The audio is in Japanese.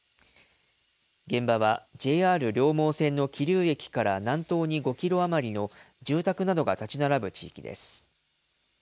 現場はＪＲ両毛線の桐生駅から南東に５キロ余りの住宅などが建ち並ぶ地域です。